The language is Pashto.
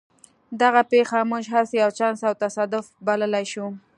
دغه پېښه موږ هسې یو چانس او تصادف بللای شو